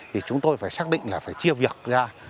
thì chúng tôi phải xác định là phải chia vào những công việc này